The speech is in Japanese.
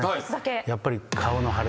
やっぱり。